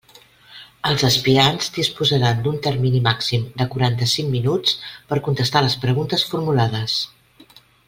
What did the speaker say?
Els aspirants disposaran d'un termini màxim de quaranta-cinc minuts per contestar les preguntes formulades.